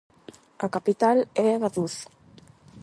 A capital é Vaduz.